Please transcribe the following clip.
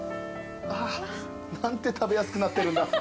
何て食べやすくなってるんだ。